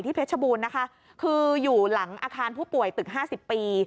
เพชรบูรณ์นะคะคืออยู่หลังอาคารผู้ป่วยตึก๕๐ปี